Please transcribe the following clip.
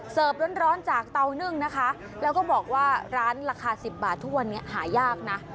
ร้อนจากเตานึ่งนะคะแล้วก็บอกว่าร้านราคา๑๐บาททุกวันนี้หายากนะ